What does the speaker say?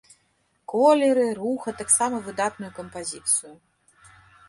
Колеры, рух, а таксама выдатную кампазіцыю.